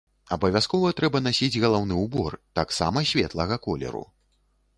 Абавязкова трэба насіць галаўны ўбор, таксама светлага колеру.